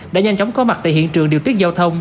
đã nhanh chóng có mặt tại hiện trường điều tiết giao thông